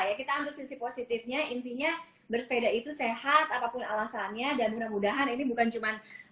ya kita ambil sisi positifnya intinya bersepeda itu sehat apapun alasannya dan mudah mudahan ini bukan cuma